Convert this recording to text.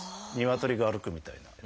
鶏が歩くみたいな。